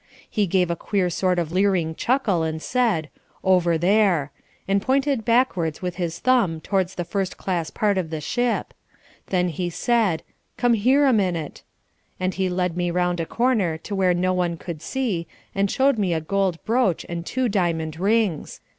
He gave a queer sort of leering chuckle and said, "Over there," and pointed backwards with his thumb towards the first class part of the ship. Then he said, "Come here a minute," and he led me round a corner to where no one could see, and showed me a gold brooch and two diamond rings.